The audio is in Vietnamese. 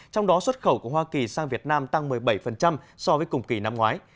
trong đó xuất khẩu của hoa kỳ sang việt nam tăng một mươi bảy so với cùng kỳ năm ngoái